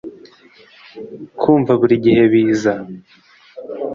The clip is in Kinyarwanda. kumva buri gihe biza